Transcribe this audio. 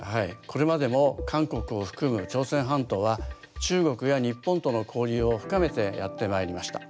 これまでも韓国を含む朝鮮半島は中国や日本との交流を深めてやってまいりました。